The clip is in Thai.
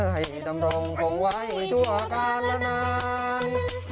ให้จำลงคงไว้ชั่วการแล้วนาน